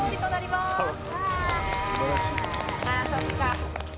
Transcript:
まあそっか。